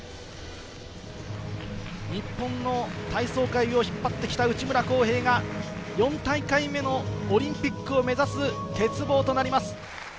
日本の体操界を引っ張ってきた内村航平が、４大会目のオリンピックを目指す鉄棒となります。